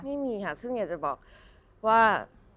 ไม่มีค่ะซึ่งอยากจะบอกว่า